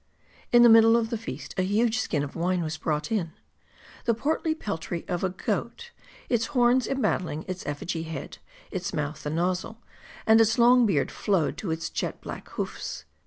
In the middle of the feast, a huge skin of wine was brought in. The portly peltry of a goat ; its horns embat tling its effigy head ; its mouth the nozzle ; and its long beard flowed to its jet black hoofs.